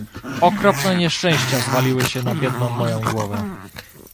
"Okropne nieszczęścia zwaliły się na biedną moję głowę!"